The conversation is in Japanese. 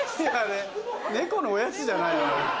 猫のおやつじゃないの？